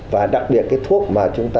và đặc biệt cái thuốc mà chúng ta